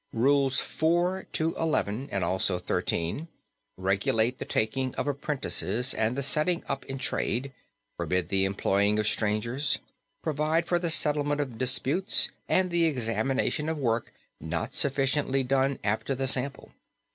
Rules 4 to 11, and also 13, regulate the taking of apprentices and the setting up in trade; forbid the employing of strangers; provide for the settlement of disputes and the examination of work not sufficiently done after the sample.